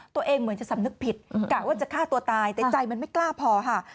เหมือนจะสำนึกผิดกะว่าจะฆ่าตัวตายแต่ใจมันไม่กล้าพอค่ะ